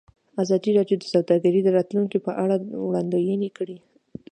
ازادي راډیو د سوداګري د راتلونکې په اړه وړاندوینې کړې.